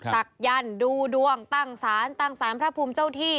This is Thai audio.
ศักยันต์ดูดวงตั้งศาลตั้งสารพระภูมิเจ้าที่